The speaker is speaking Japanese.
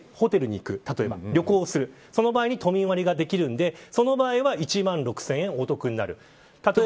さらに都内、ホテルに行くその場合に、都民割ができるのでその場合は１万６０００円お得になる。